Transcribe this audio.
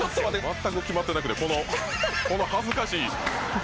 全く決まってなくてこの恥ずかしい。